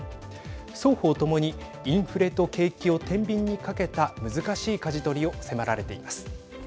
双方ともにインフレと景気をてんびんにかけた難しいかじ取りを迫られています。